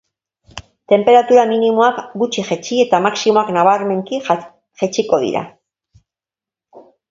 Tenperatura minimoak gutxi jaitsi eta maximoak nabarmenki jaitsiko dira.